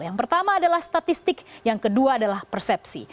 yang pertama adalah statistik yang kedua adalah persepsi